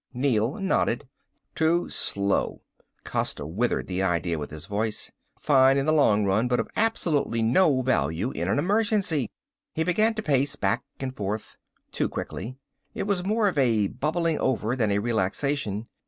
Neel nodded. "Too slow." Costa withered the idea with his voice. "Fine in the long run, but of absolutely no value in an emergency." He began to pace back and forth. Too quickly. It was more of a bubbling over than a relaxation.